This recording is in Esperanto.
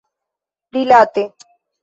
rilate